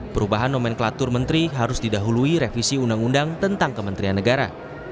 perubahan nomenklatur menteri harus didahului revisi undang undang tentang kementerian negara